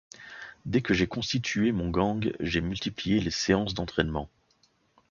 Dès que j’ai constitué mon gang, j’ai multiplié les séances d’entraînement.